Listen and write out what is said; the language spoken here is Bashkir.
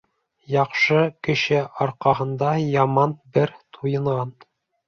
Яҡшы кеше арҡаһында яман бер туйынған.